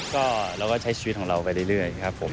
ก็เราก็ใช้ชีวิตของเราไปเรื่อยครับผม